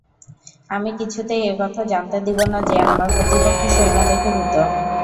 আমি কিছুতেই একথা জানতে দিব না যে, আমরা প্রতিপক্ষের সৈন্য দেখে ভীত।